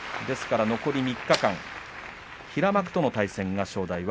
ですから残り３日間平幕との対戦となります。